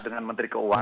dengan menteri keuangan